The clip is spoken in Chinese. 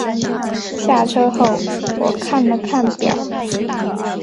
下车后我看了看表